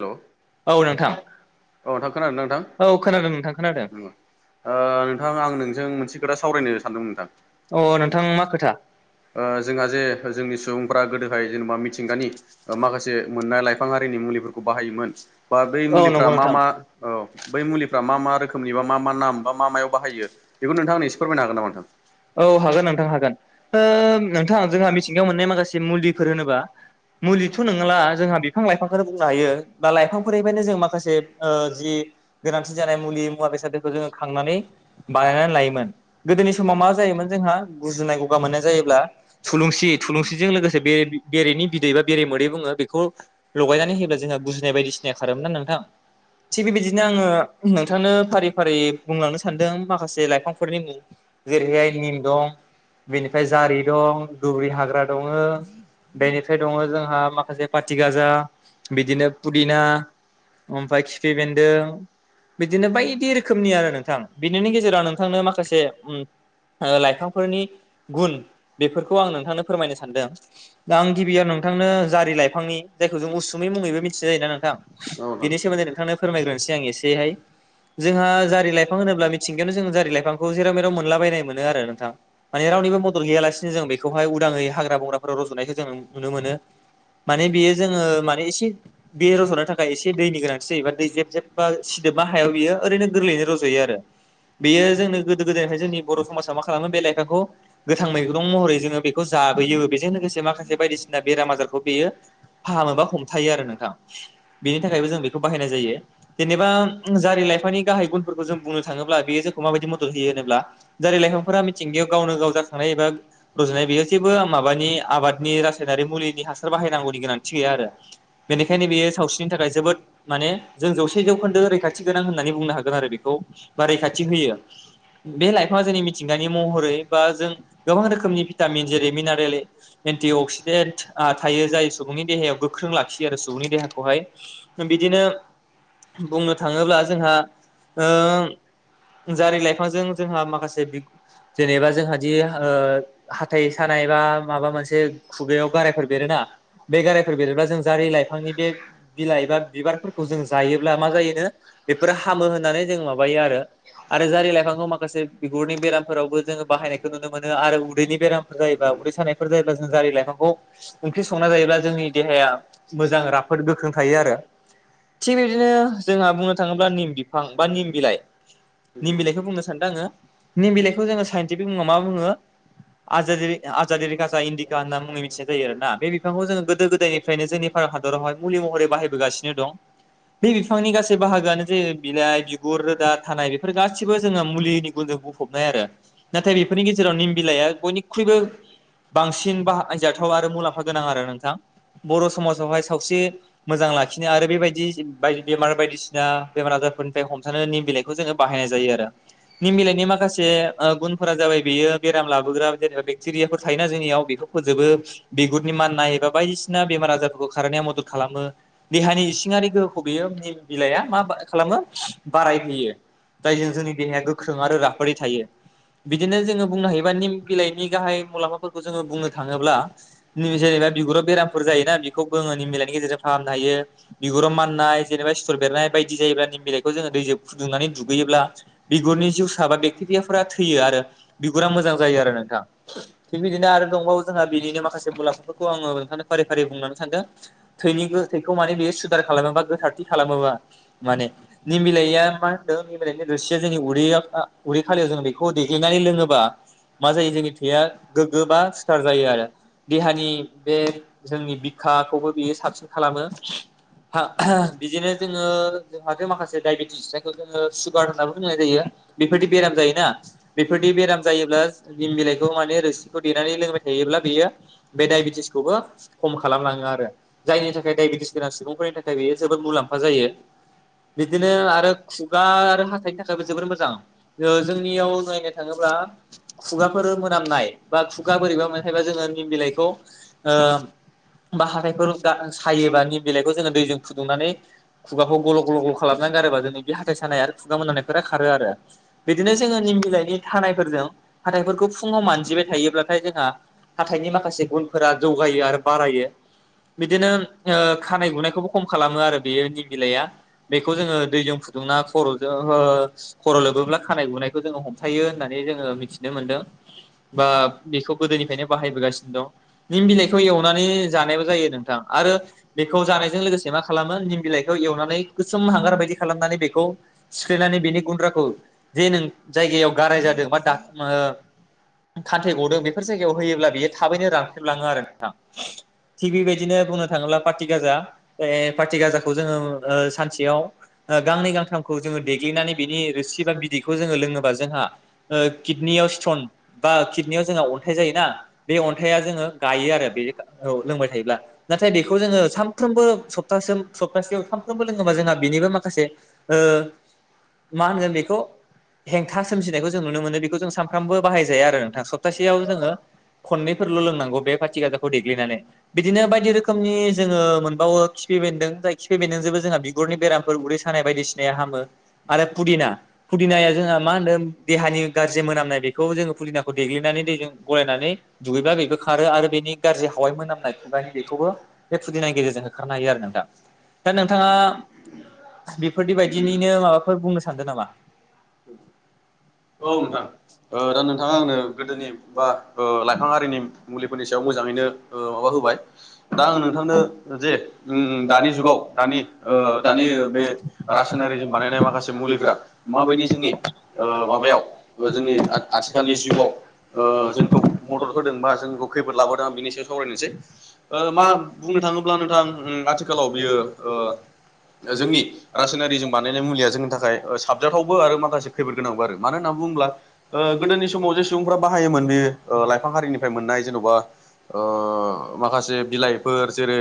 Hello औ नोंथां औ नोंथां खोनादोंना नोंथां? औ खोनादों नोंथां खोनादों ओ नोंथां आं नोंजों मोनसे खोथा सावरायनो सानदोंमोन नोंथां। अ नोंथां मा खोथा ओ जोंहा जे जोंनि सुबुं बाग गोदोहाय जेनेबा मिथिंगानि ओ माखासे मोननाय लाइफां बारिनि मुलिफोरखौ खौ बाहायोमोन। बा बै औ मुलिफ्रा नंगौ मा नोंथां मा औ। बै मुलिफ्रा मा मा रोखोमनि बा मा मा नाम बा मा मायाव बाहायो? बेखौ नोंथां आंनो एसे फोरमायनो हागोन नामा नोंथां? औ हागोन नोंथां हागोन नोंथां ओ नोंथां जोंहा मिथिंगायाव मोननाय माखासे मुलिफोर होनोबा मुलिथ' नोंला जोंहा बिफां लाइफांखौनो जायो बा लाइफांफोरबायनो जों माखासे ओ जि गोनांथि जानाय मुलि मुवा बेसादफोरखौ जोङो खांनानै बानायनानै लायोमोन गोदोनि समाव मा जायोमोन जोंहा गुजुनाय गगा मोननाय जायोब्ला थुलुंसि थुलुंसिजों लोगोसे बे बेरेनि बिदै बा बेरे मोदै बुङो बेखौ लगायनानै होयोब्ला नाय बायदिसिनाया खारोमोन ना नोंथां थिग बेबायदिनो आं आङो नोंथांनो फारि-फारि बुंलांनो सानदों। जे लाइफांफोरनि मुं जेरैहाय निम दं बेनिफ्राय जारि दं दुब्रि हाग्रा दङो बेनिफ्राय दङ जोंहा माखासे पाथि गाजा। बिदिनो पुदिना ओमफ्राय खिफि बेन्दों बिदिनो बायदि रोखोमनि आरो नोंथां बेनिनो गेजे जेराव नोंथांनो माखासे लाइफांफोरनि गुन बेफोरखौ आं नोंथांनो फोरमायनो सानदों दा आं गिबियाव नोंथांनो जारि लाइफांनि जायखौ जों उसु बै मुङैबो मिथिनाय जायोना नोंथां बिनि सोमोन्दै नोंथांनो फोरमायग्रोनोसै आं एसेहाय जोंहा जारि लाइफां होनोब्ला थिंगायावनो जों जारि लाइांखौ जेराव मेराव मोनलाबायनाय मोनो आरो नोंथां माने रावनिबो मदद गैयालासिनो जों बेखौहाय उदाङै हाग्रा बंग्राफोराव रजनायखौ जों नुनो मोनो माने बियो जोङो माने एसे बे रजनो थाखाय एसे दैनि गोनांथि जायोबा दै जेब जेब बा सिदोबा हायाव बियो ओरैनो गोरलैयैनो रजयो आरो। बेयो जोंनो गोदो गोदायनिफ्राय जोंनि बर समाजाव मा खालामो बे लाइफांखौ गोथां मैगं महरै जोङो बेखौ जाबोयो बेजों लोगोसे माखासे बायदिसिना बेराम आजारखौ बेयो फाहामो बा हमथा बेनि थाखायबो जों बेखौ बाहायनाय जायो जेनेबा जारि लाइफानि गाहाय गुनफोरखौ जों बुंनो थाङोब्ला बेयो जोंखौ माबायदि मदद होयो होनोब्ला जारि लाइफांफोरा मिथिंगायाव गावनो गाव जाखांनाय एबा रुजुनाय बेयो जेबो माबानि आबादनि रासायनारि मुलिनि हासार बाहायनांगौनि गोनांथि गैया आरो। बेनिखायनो बेयो सावस्रिनि थाखाय जोबोद माने जों जौसे जौखोन्दो रैखाथि गोनां होननानै बुंनो हागोन आरो बेखौ बा रैखाथि होयो बे लाइफाङा जोंनि मिथिंगानि महरै बा जों गोबां रोखोमनि भिटामिन जेरै मिनारेल एन्टि अक्सिडेन्ट थायो जाय सुबुंनि देहायाव गोख्रों थियो आरो सुबुंनि देहाखौहाय बिदिनो बुंनो थाङोब्ला जोंहा ओ जारि लाइफांजों जोंहा माखासे बिग जेनेबा जोंहा दि हाथाइ सानाय बा माबा मोनसे खुगायाव गारायफोर बेरोना बे गारायफोर बेर जारि लाइफांनि बे बिलाइ एबा बिबारफोरखौ जों जायोब्ला मा जायोनो बेफोरो हामो होननानै जों माबायो आरो। आरो जारि लाइफांखौ माखासे बिगुरनि बेरामफोरावबो जोङो बाहायनायखौ नुनो मोनो आरो उदैनि बेरामफोर जायोबा उदै सानायफोर जायोब्ला जों जारि लाइफांखौ ओंख्रि संना जायोब्ला जोंनि देहाया मोजां राफोद गोख्रों थायो आरो थिग बिदिनो जोंहा बुंनो थाङोब्ला निम बिफां बा निम बिलाइ निम बिलाइखौ बुंनो सानदों आङो निम बिलाइखौ जोङो साइन्टिफिक मुङाव मा बुङो आजाजिरिकसा इन्दिका होनना मुंङै मिथिनाय जायो आरोना बे बिफांखौ जोंङो गोदो फ्रायनो जोंनि भारत हादरावहाय मुलि महरै बाहायबोगासिनो दं बे बिफांनि गासै बाहागोआनो जेरै बिलाइ बिगुर रोदा थानाय गासिबो जोङो मुलिनि गुनजों बुंफबनाय आरो नाथाय बेफोरनि गेजेराव निम बिलाइया बयनिख्रुइबो बांसिन बाहाय जाथाव आरो मुलाम्फा गोनां आरो नोंथां बर समाजावहाय सावस्रि मोजां लाखिनो आरो बेबायदि बायदि बेमार बायदिसिना बेमार आजारफोरनिफ्राय हमथानो निम बिलाइखौ जोङो। बाहायनाय जायो आरो निम मिलाायनि माखासे ओ गुनफोरा जाबाय बेयो बेराम लाबोग्रा जेनेबा बेक्टेरियाफोर थायोना जोंनियाव बेखौ फोजोबो बिगुरनि माननाय बा बायदिसिना सिना बेमार आजारफोरखौ खारनाया मदद खालामो देहानि इसिंङारि गोहोखौ बेयो निम बिलाइआ मा खालामो बारायहैयो। जायजों जोंनि देहाया गोख्रों आरो राफोदै थायो बिदिनो जोङो बुंनो हायोबा निम बिलाइनि गाहाय मुलाम्फाफोरखौ जोङो बुंनो थाङोब्ला जेनेबा बिुर फोर जायोना बेखौ जोङो निम बिलाइनि गेजेरजों खालामनो हायो बिगुराव माननाय जेनेबा सिथुर बेरनाय बायदि जायोब्ला निम बिलाइखौ जोङो दैजों फुदुंनानै गैयोब्ला बिगुरनि जिउसा बा बेक्टेरियाफोरा थैयो आरो बिगुरा मोजां जायो आरो नोंथां थिग बिदिनो आरो दंबावो जोंहा बिनिनो माखासे मुलाम्फाफोरखौ आङो फारि फारि बुंनानै सानदों थैनि थैखौ माने बियो सुदार खालामोबा गोथारथि खालामोबा माने निम बिलाइया मा मिरायदनि रोरसिया जोंनि उदैया उदै खालि याव जों बेखौ देग्लिनानै लोङोबा मा जायो जोंनि थैया गोगो बा सिखार जायो आरो देहानि बे जोंनि बिखाखौबो बियो साबसिन खालामो बिदिनो जोङो जोंहाथ' माखासे दायबेटिस जोङो सुगार होन्नाबो बुंनाय जायो बेफोरदि बेराम जायोना बेफोरदनि बेराम जायोब्ला निम बिलाइखौ माने रोसिखौ देनानै लोंबाय थायोब्ला बेयो बे दायबेटिसखौबो खम खालामलाङो आरो जायनि थाखाय डाइबेटिस गोनां सुबुंफोरनि थाखाय बेयो जोबोद मुलाम्फा जायो बिदिनो आरो खुगा आरो हाथाइनि थाखायबो जोबोर मोजां जोंनियाव नायनो थाङोब्ला खुगाफोर मोनामनाय बा खुगा बोरैबा मोना थायोबा जोङो निम बिलाइखौ ओ बा हाथायफोर सायोबा निम बिलाइखौ जोङो दैजों फुदुंनानै खुगाखौ गल' गल' ग्ल' खालामनानै गारोबा जों बे हाथाइ सानाय आरो खुगा मोननायफोरा खारो आरो बिदिनो जोङो निम बिलाइनि थानायफोरजों हाथाइफोरखौ फुङाव मानजिबाय थायोब्लाथाय जोंहा हाथाइनि माखासे गुनफोरा जौगायो आरो बिदिनो ओ खानाय गुनायखौबो खम खालामो आरो बेयो निम बिलाइया बेखौ जोङो दैजों फु खर' लोबोब्ला खानाय गुनायखौ जोङो हमथायो होननानै जोङो मिथिनो मोनदों बा बेखौ गोदोनिफ्रायनो बाहायबोगासिनो दं निम बिलाइखौ माने जानायबो जायो नोंथां आरो बेखौ जानायजों लोगोसे मा खालामो निम बिलाइखौ एवनानै गोसोम हांगारबायदि खालामनानै बेखौ सिफ्लेनानै बेनि गुन्द्राखौ जे नों जायगायाव गाराय जादों बा ओ शखान्थै गदों बेफोर जायगायाव होयोब्ला बेयो थाबैनो रानख्रेबलाङो आरो नोंथां। थिग बेबायदिनो बुंनो थाङोब्ला पार्टि गाजा पार्टि गाजाखौ जोङो सानसेयाव गांनै गां गोथांखौ जोङो देग्लिनानै बिनि रोसि बा बिदैखौ जोङो लोङोबा जोंहा ओ किदनियाव स्ट'न बा किडनियाव जोंहा अन्थाइ जायोना बे अन्थाइा जोङो गायो आरो बे औ लोंबाय थायोब्ला नाथाय बेखौ जोङो सानफ्रोमबो सस्तासे सप्तासेयाव सानफ्रोमबो लोङोबा जोंहा बेनिबो माखासे ओ मा होनगोन बेखौ हेंथा सोमजिनायखौ जों नुनो मोनो बेखौ जों सानफ्रामबो बाहायजाया आरो नोंथां सप्तासेयाव जोङो खनैफोरल' लोंनांगौ बे पार्टि गाजाखौ देग्लिनानै बिदिनो बायदि रोखोमनि जोङो मोनबावो खिफि बेन्दों जाय खिफि बेन्दोंजोंबो जोंहा बिगुरनि बेरामफोर उदै सानाय बायदिसिना हामो आरो फुदिना फुदिनाया जोंहा मा होनदों देहानि गाज्रि मोनामनाय बेखौ जोङो फुदिनाखौ देग्लिनानै दैजों गलायनानै दुगैब्ला बेखौ खारो आरो बेनि खहाय मोनामनाय खुगानि बेखौबो बे फुदिनानि गेजेरजों होखारनो हायो आरो नोंथां दा नोंथाङा बेबायदिनिनो माबाफोर बुंनो सानदों नामा? औ नोंथां ओ दा नोंथाङा आंनो गोदोनि बा ओ लाइफां आरारिनि मुलिफोरनि सायाव मोजाङैनो ओ माबा होबाय दा आं नोंथांनो जे उम दानि जुगाव दानि ओ दानि बे रासायनारिजों बानायनाय माखासे मुलिफोरा माबायदि जोंनि ओ माबायाव जोंनि आथिखालनि जिउआव ओ जोंखौ मदद होदों बा जोंखौ खैफोद लाबोदोंं बेनि सायाव सावरायनोसै ओ मा बुंनो थाङोब्ला नोंथां आथिखालाव बियो ओ जोंनि रासायनारिजों बानायनाय मुलिया जोंनि थाखाय साबजाथावबो आरो माखासे खैफद गोनांबो आरो। मानो होनना बुङोब्ला गोदोनि समाव जे सुबुंफ्रा बाहायोमोन बे ओ लाइफां हारिनिफ्राय मोननाय जेन'बा ओ माखासे बिलाइफोर जेरै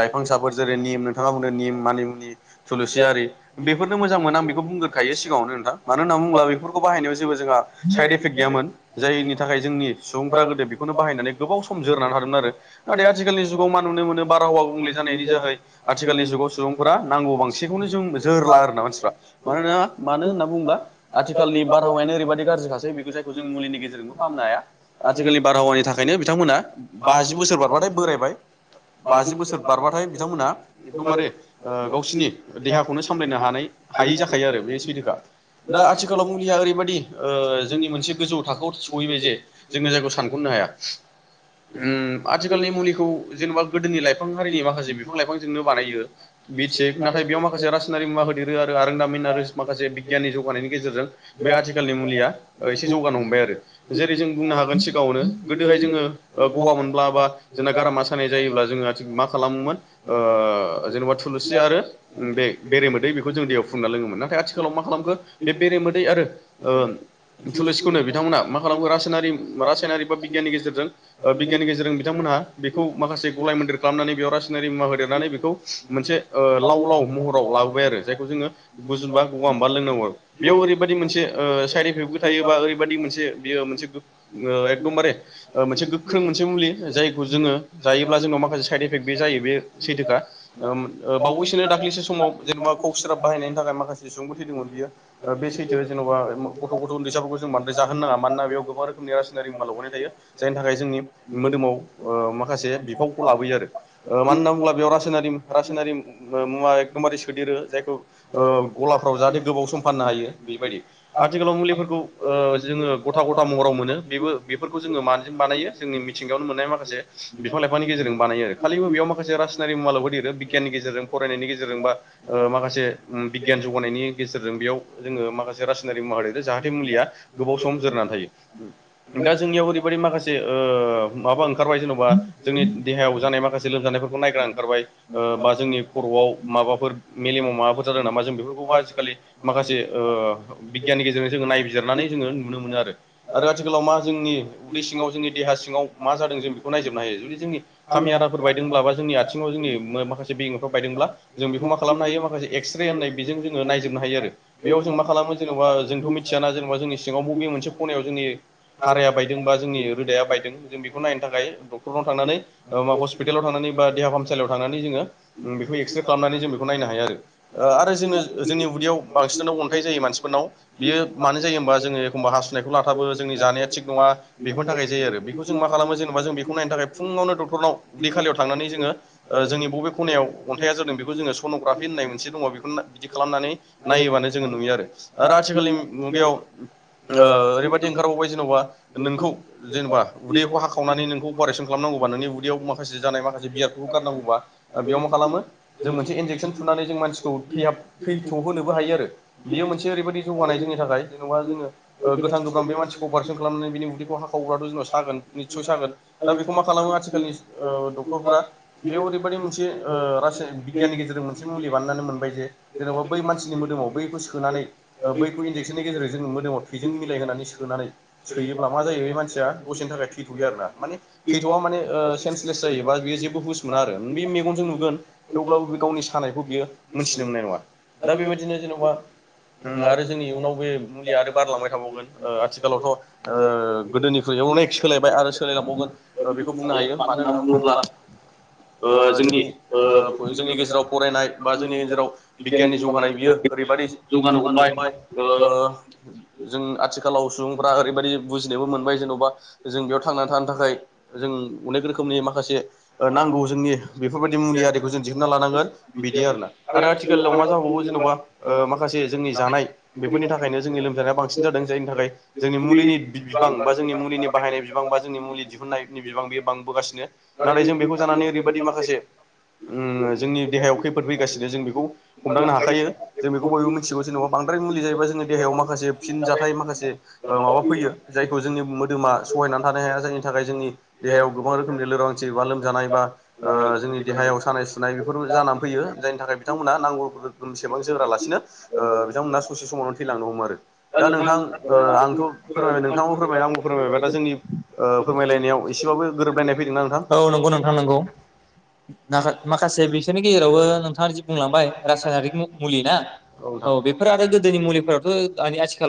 लाइफां सफोर जेरै निम नोंथाङा बुंनो निम मानि मुनि थुलु सि आरि बेफोरनो मोजां मोन आं बेखौ बुंगोरखायो सिगाङावनो नोंथां मानो होनना बुङोब्ला बेफोर खौ बाहायनायाव जेबो जोंहा साइद इफेक्ट गैयामोन जायनि थाखाय जोंनि सुबुंफ्रा गोदो बेखौनो बाहायनानै गोबाव सम जोरनानै थादोंमोन आरो नाथाय आथिखालनि जुगाव मा नुनो मोनो बारहावा गुबुंले जानायनि जेरै आथिखालनि जुगाव सुबुंफोरा नांगौ बां सिनखौनो जों जोरला आरोना मानसिफ्रा मानोना मानो होनना बुङोबा आथि खालनि बारहावायानो ओरैबायदि गाज्रिखासै बेखौ जायखौ जों मुलिनि गेजेरजोंबो फाहामनो आथिखालनि बारहावानि थाखायनो बिथांमोना बाजि बोसोर बारबाथाय बोरायबाय बाजि बोसोर बारबाथाय बिथांमोना एकदमबारे ओ गावसिनि देहाखौनो सामलायनो हानाय हायि जाखायो आरो बे सैथोखा दा आथि आथिखालाव मुलिया ओरैबायदि जोंनि मोनसे गोजौ थाखोआव सहैबाय जे जोंनो जायखौ सानख'नो हाया ओ आथिखालनि मुलिखौ जेनेबा गोदोनि लाइफां हारिनि माखासे बिफां लाइफांजोंनो बानायो बि नाथाय बेयाव माखासे राजासनारि मुवा हो देरो आरोदामिन आरो माखासे बिगियाननि जौगानायनि गेजेरजों बे आथिखालनि मुलिया एसे जौगानो हमबाय आरो जेरै जों बुंनो हागोन सिगाङावनो गोदोहाय जोङो गगा मोनब्ला बा जोंना गारामा सानाय जायोब्ला जोङो आथि मा खालामोमोन ओ जेनेबा थुलुसि आरो बे बेरे मोदै बेखौ जों दैयाव फुनना लोङोमोन नाथाय आथिखालाव मा खालामखो बे बेरे मोदै आरो ओ थुलुसिखौनो बिथांमोनहा मा खालामो रासायनारि रासायनारि बा बिगियाननि गेजेरजों बिगियाननि गेजेरजों बिथांमोनहा बेखौ माखासे गलाय मोनदेर खालामनानै बेयाव रासायनारि मुवा होदेरनानै बेखौ मोनसे ओ लाव लाव महराव लाबोबाय आरो जायखौ जोङो गुजुनबा गगा मोनबा लोंनांगौ। बेयाव ओरैबायदि मोनसे ओ साइद इफेक्टबो थायोबा ओरैबायाददि मोनसे बेयो मोनसे एकदमबारे मोनसे गोख्रों मोनसे मुलि जायखौ जोङो जायोब्ला जोंनाव माखासे साइद इफेक्ट बे जायो बे सैथोखा ओ ओम बावैसोनो दाख्लैसो समाव जेनेबा कक सिरप बाहायनायनि थाखाय माखासे सुबुंफोर थैदोंमोन बियो। बे सैथो जेन'बा गथ' गथ' उन्दैसाफोरखौ जों बांद्राय जाहोनो नाङा मानोना बेयाव गोबां रोखोमनि रासायनारि मुवा लागोनाय थायो जायनि थाखाय जोंनि मोदोमाव ओ माखासे बिफावखौ लाबोयो आरो मानो होनना बुङोब्ला बेयाव रासायनारि रासायनारि मो-मुवा एकदमबारे सोदेरो जायखौ ओ गलाफ्राव जाहाथे गोबाव सम फाननो हायो बेबायदि आथिखालाव मुलिफोरखौ ओ जोङो गथा गथा महराव मोनो बेबो बेफोरखौ जोङो मानो बानायो जोंनि मिथिंगायावनो मोननाय माखासे बिफां लाइफांनि गेजेरजों बानायो आरो खालिबो बेयाव माखासे रासनारि मुवालाबो देरो बिगियाननि गेजेरजों फरायनायनि गेजेरजों बा ओ माखासे ओम बिगियान जौगानायनि गेजेरजों बेयाव जोङो माखासे रासायनारिक महारि जाहाथे मुलिया गोबाव सम जोरनानै थायो दा जोंनियाव ओरैबायाददि माखासे ओ माबा ओंखारबाय जेन'बा जोंनि देहायाव जानाय माखासे लोमजानायफोरखौ नायग्रा ओंखारबाय ओ बा जोंनि खर'आव माबाफोर मेलेमाव माबाफोर जादों नामा जों बेफोरखौबो आजिखालि माखासे ओ बिगियाननि गेजेरजों जोङो नायबिजिरनानै जोङो नुनो मोनो आरो आथिखालाव मा जोंनि उदै सिङाव जोंनि देहा सिङाव मा जादों जों बेखौ नायजोबनो हायो जुदि जोंनि खामि आाफोर बायदोंब्ला बा जोंनि आथिङाव जोंनि माखासे बे बायदोंब्ला जों बेखौ मा खालामनो हायो माखासे एक्स रे होननाय बेजों जोङो नायजोबनो हायो आरो। बेयाव जों मा खालामो जेनेबा जोंथ' मिथियाना जेनेबा जोंनि सिङाव बबे मोनसे खनायाव जोंनि हाराया बायदों बा जोंनि रोदाया बायदों जों बेखौ नायनो थाखाय डक्टरनाव थांनानै हस्पिटालाव थांनानै बा देहा फाहामसालियाव थांनानै जोङो ओ बेखौ एक्सरे खालामनानै जों बेखौ नायनो हायो आरो जोङो जोंनि उदैयाव बांसिनानो अन्थाइ जायो मानसिफोरनाव बियो मानो जायो होमबा जोङो एखम्बा हासुनायखौ लाथाबो जोंनि जानाया थिग नङा बेफोरनि थाखाय जायो आरो बेखौ जों मा खालामो जेनेबा जों बेखौ नायनो थाखाय फुङावनो डक्टरनाव उदै खालायाव थांनानै ओ जोङो जोंनि बबे खनायाव अन्थाइया जादों बेखौ जोङो सन'ग्राफि होननाय मोनसे दङ बेखौना बिदि खालामनानै नायोबानो जोङो नुयो आरो। आरो आथिखालनि मुगायाव ओ ओरैबादि ओंखारबावबाय जेन'बा नोंखौ जेनेबा उदैखौ हाखावनानै नोंखौ अपारेसन खालामनांगौबा नोंनि उदैयाव माखासे जानाय माखासे बियाबफोरखौ गारनांगौबा ओ बेयाव मा खालाम मो जों मोनसे इनजेकसन थुनानै जों मानसिखो थैहाब थैथ' होन खोबो हायो आरो बेयो मोनसे ओरैबादि मोनसे जौगानाय जोंनि थाखाय जेन'बा जोङो ओ गोथां गोब्राम बे मानसिखौ अपारेसन खालामनानै बेनि उदैखौ हाखावोब्ला थ' जोंनाव सागोन निथसय सागोन दा बेखौ मा खालामो आथिखालनि ओ डक्टरफोरा बेयाव ओरैबादि मोनसे ओ रा बिगियाननि गेजेरजों मोनसे मुलि बानायनानै मोनबाय जे जेन'बा बै मानसि नि मोदोमाव बैखौ सोनानै ओ बैखौ इनजेकसननि गेजेरजों जोंनि मोदोमाव थैजों मिलायहोनानै सोनानै सोयोब्ला मा जायो बे मानसिया दसेनि थाखाय थैथ'यो आरोना। माने थैथ'वा माने ओ सेन्सलेस जायोबा बेयो जेबो हुस मोना आरो बे मेगनजों नुगोन थेवब्लाबो बे गावनि सानायखौ बियो मोनथिनो मोननाय नङा। दा बेबायदिनो जेन'बा उम आरो जोंनि इयुनाव बे मुलिया आरो बारलांबाय थाबावगोन। ओ आथिखालावथ' ओ गोदोनिख्रुइ अनेक सोलायबाय आरो सोलायलांबावगोन ओ बेखौ बुंनो हायो। मानो होनना बुङोब्ला ओ जोंनि ओ बो जोंनि गेजेराव बरायनाय बा जोंनि गेजेराव बिगियाननि जौगानाय बियो ओरैबादि जौगानो हमबाय ओ जों आथिखालाव सुबुंफ्रा ओरैबायदि बुजिनोबो मोनबाय जेन'बा जों बेयाव थांनानै थानो थाखाय जों अनेक रोखोमनि माखासे ओ नांगौ जोंनि बेफोरबायदि मुलि आरिखौ जों दिहुनना लानांगोन बिदि आरो ना। आरो आथिखालाव मा जाबावो जेन'बा ओ माखासे जोंनि जानाय बेफोरनि थाखायनो जोंनि लोमजानाया बांसिन जादों। जायनि थाखाय जोंनि मुलिनि बि-बिबां बा जोंनि मुलिनि बाहायनाय बिबां बा जोंनि मुलि दिहुननायनि बिबां बेयो बांबोगासिनो। नाथाय जों बेखौ जानानै ओरैबायदि माखासे उम जोंनि देहायाव खैफोद फैगासिनो जों बेखौ हमदांनो हाखायो जों बेखौ बयबो मिथिगौ जेनेबा बांद्राय मुलि जायोबा जोंनि देहायाव माखासे फिन जाथाय माखासे ओ माबा फैयो जायखौ जोंनि मोदोमा सहायनानै थानो हाया जायनि थाखाय जोंनि देहायाव गोबां रोखोमनि लोरबांथि बा लोमजानाय बा ओ जोंनि देहायाव सानाय सुनाय बेफोर जानानै फैयो जायनि थाखाय बिथांमोना नांगौ रोखोम सेबां जोरा लासिनो ओ बिथांमोना ससे समावनो थैलांनो हमो आरो। दा नोंथां ओ आंथ' फोरमायबाय नोंथाङाबो फोरमायबाय आंबो फोरमायबाय दा जोंनि ओ फोरमायलायनायाव एसेबाबो गोरोबलायनाय फैदोंना नोंथां। नाखा माखासे बिसोरनि गेजेरावबो नोंथाङा जि बुंलांबाय। रासायनारिक मुलि ना औ नोंथां बेफोर आरो गोदोनि मुलिफोरावथ' दानि आथिखालाव